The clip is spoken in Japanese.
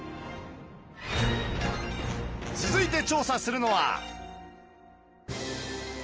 続いて調査するのは